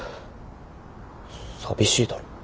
寂しいだろ。